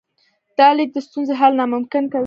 دا لید د ستونزې حل ناممکن کوي.